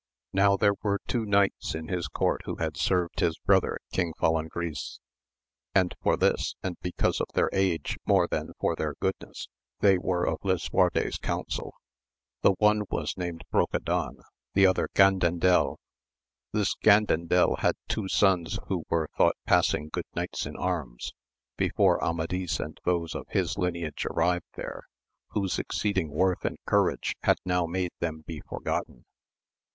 Now there were two knights in his court who had served his brother King Falangris, and for this, and because of their age more than for their goodness, they were of Lisuarte's counsel : the one was named Brocadan, the other Gandandel. This Gandandel had two sons who were thought passing good knights in arms, before Amadis and those of his lineage arrived there, whose exceeding worth and courage had now made them be forgotten.